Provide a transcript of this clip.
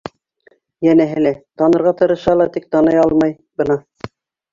Йәнәһе лә, танырға тырыша ла, тик таный алмай бына.